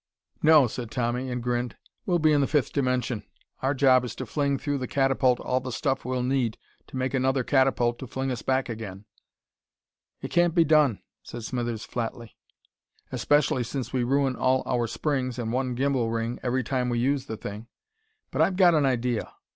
"No," said Tommy, and grinned. "We'll be in the fifth dimension. Our job is to fling through the catapult all the stuff we'll need to make another catapult to fling us back again." "It can't be done," said Smithers flatly. "Maybe not," agreed Tommy, "especially since we ruin all our springs and one gymbal ring every time we use the thing. But I've got an idea.